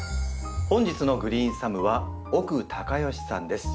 本日のグリーンサムは奥隆善さんです。